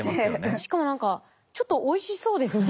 しかも何かちょっとおいしそうですね。